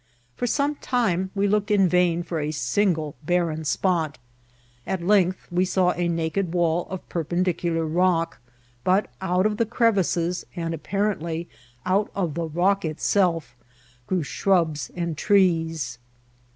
For some time we looked in vain for a single barren spot ; at length we saw a naked wall of perpendicular rock, but out of the crevices, and apparently out of the rock it self, grew shrubs and trees.